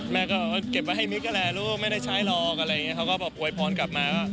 แม่ก็เก็บเอาให้มิ๊กแหละแหล่ะลูกไม่ได้ใช้หรอกเขาก็บอกโอยพรกลับมา